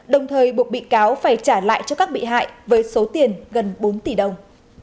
đồng thời buộc bị cáo phải trả lại cho các bị hại với số tiền gần bốn tỷ đồng